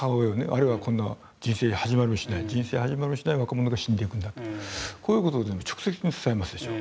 あるいはこんな人生始まりもしない若者が死んでいくんだとこういう事を直接に伝えますでしょ。